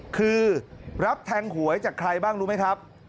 คือรับแทงหวยจากใครบ้างรู้ไหมครับ